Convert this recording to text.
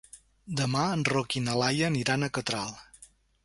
Demà en Roc i na Laia aniran a Catral.